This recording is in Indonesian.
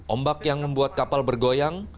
ombak yang membuat kapal bergoyang